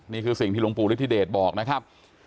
นี่คือสิ่งที่หลวงปู่ฤทธิเดชบอกนะครับ